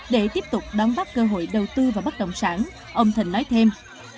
để tiếp tục đón bắt cơ hội đầu tư vào bất động sản ông thịnh nói thêm